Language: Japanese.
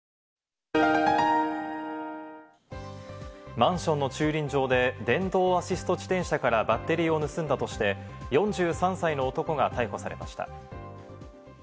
マンションの駐輪場で電動アシスト自転車からバッテリーを盗んだとして、４３歳の男が逮捕されました。